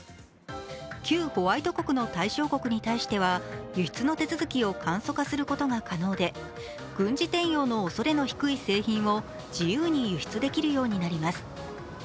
旧ホワイト国の対象国に対しては輸出の手続きを簡素化することが可能で、軍事転用のおそれの低い製品を自由に輸出できるようになります。